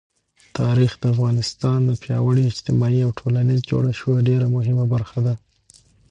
تاریخ د افغانستان د پیاوړي اجتماعي او ټولنیز جوړښت یوه ډېره مهمه برخه ده.